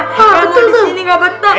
kamu disini gak betul